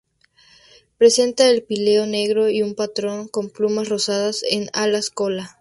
Presenta el píleo negro y un patrón con plumas rosadas en alas y cola.